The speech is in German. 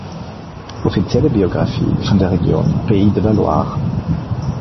Offizielle Biografie von der Region Pays de la Loire